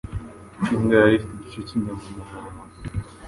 Imbwa yari ifite igice cyinyama mumunwa.